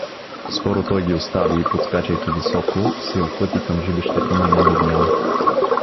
Скоро той ги остави и подскачайки високо, се упъти към жилището на Ян Бибиян.